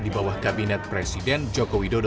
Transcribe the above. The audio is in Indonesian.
di bawah kabinet presiden joko widodo